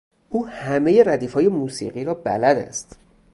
او همهٔ ردیف های موسیقی را بلد است.